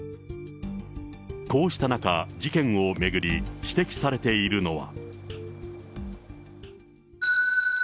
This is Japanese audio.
こうした中、事件を巡り、指摘されているのは。